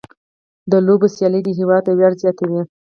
د لوبو سیالۍ د هېواد ویاړ زیاتوي.